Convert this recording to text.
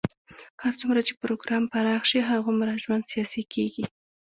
هر څومره چې پروګرام پراخ شي، هغومره ژوند سیاسي کېږي.